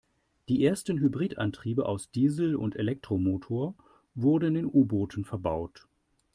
Die ersten Hybridantriebe aus Diesel- und Elektromotor wurden in U-Booten verbaut.